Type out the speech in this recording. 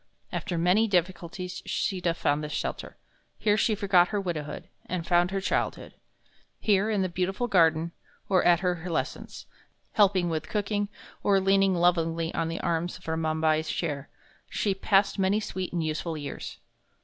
After many difficulties, Sita found this shelter. Here she forgot her widowhood, and found her childhood. Here, in the beautiful garden, or at her lessons, helping with cooking, or leaning lovingly on the arms of Ramabai's chair, she passed many sweet and useful years.